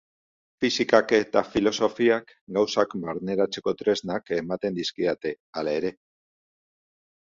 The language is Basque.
Fisikak eta filosofiak gauzak barneratzeko tresnak ematen dizkidate, hala ere.